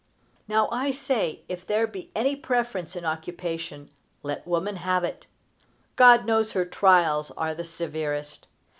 Now, I say, if there be any preference in occupation, let woman have it. God knows her trials are the severest.